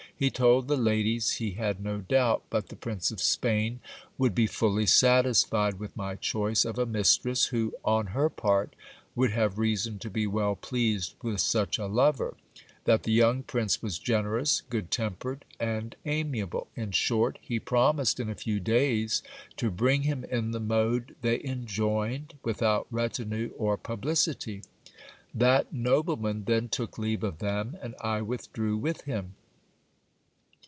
He told the ladies, he had no doubt but the THE DUKE OF LERMA COMPLIMENTS GIL BLAS. 303 Prince of Spain would be fully satisfied with my choice of a mistress, who, on her part, would have reason to be well pleased with such a lover ; that the young prince was generous, good tempered, and amiable ; in short, he promised in a few days to bring him in the mode they enjoined, without retinue or pub licity. That nobleman then took leave of them, and I withdrew with him.